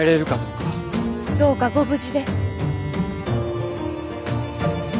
どうかご無事で。